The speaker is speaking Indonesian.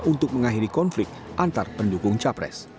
untuk mengakhiri konflik antar pendukung capres